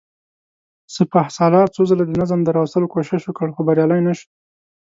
سپهسالار څو ځله د نظم د راوستلو کوشش وکړ، خو بريالی نه شو.